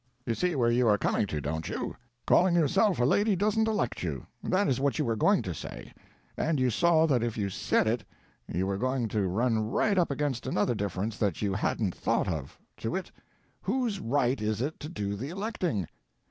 You see where you are coming to, don't you? Calling yourself a lady doesn't elect you; that is what you were going to say; and you saw that if you said it you were going to run right up against another difference that you hadn't thought of: to wit, Whose right is it to do the electing?